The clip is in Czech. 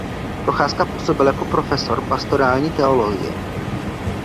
Procházka působil jako profesor pastorální teologie.